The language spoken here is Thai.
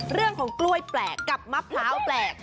เรื่องของกล้วยแปลกกับมะพร้าวแปลก